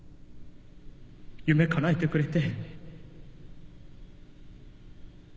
夢かなえてくれて。